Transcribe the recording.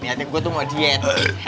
ni hati gue tuh mau diet